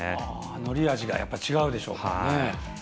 乗り味が違うでしょうからね。